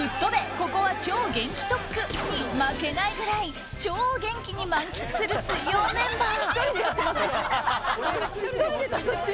ここは超元気特区に負けないくらい超元気に満喫する水曜メンバー。